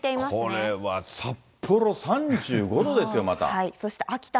これは札幌３５度ですよ、また。